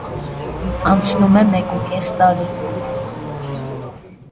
Անցնում է մեկուկես տարի։